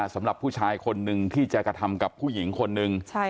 สำหรับผู้ชายคนนึงที่จะกระทำกับผู้หญิงคนหนึ่ง